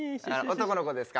男の子ですか？